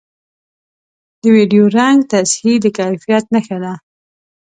د ویډیو رنګ تصحیح د کیفیت نښه ده